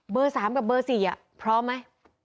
๓กับเบอร์๔พร้อมไหม